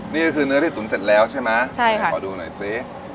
นี่ก็คือเนื้อที่ตุ๋นเสร็จแล้วใช่ไหมขอดูหน่อยสิ